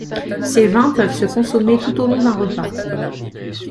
Ces vins peuvent se consommer tout au long d'un repas.